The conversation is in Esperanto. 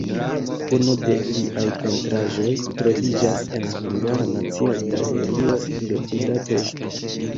Unu de liaj pentraĵoj troviĝas en Hungara Nacia Galerio de Budapeŝto.